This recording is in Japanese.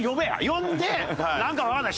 呼んでなんかわかんない。